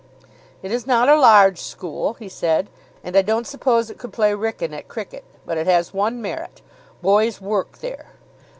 "It is not a large school," he said, "and I don't suppose it could play Wrykyn at cricket, but it has one merit boys work there.